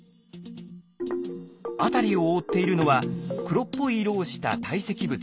辺りを覆っているのは黒っぽい色をした堆積物。